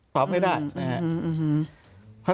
ตอบไม่ได้นะครับ